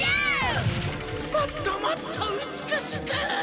もっともっとうつくしく！